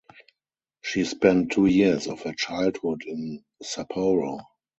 She spent two years of her childhood in Sapporo.